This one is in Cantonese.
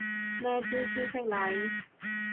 咩知書識禮